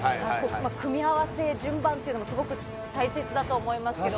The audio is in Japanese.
組み合わせ、順番というのも、すごく大切だと思いますけど。